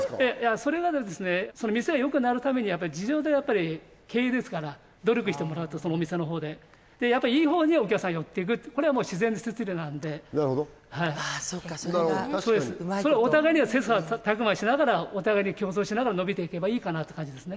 それは店がよくなるためにやっぱり経営ですから努力してもらうとそのお店の方でやっぱいい方にはお客さんは寄っていくこれはもう自然の摂理なんでなるほど確かにお互いには切磋琢磨しながらお互いに競争しながら伸びていけばいいかなって感じですね